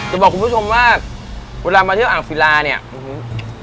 จะบอกคุณผู้ชมว่าเวลามาเที่ยวอ่างฟิลาร์เนี้ยเฮฮ